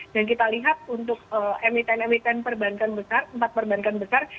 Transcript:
dan kita lihat untuk emiten emiten perbankan besar empat perbankan besar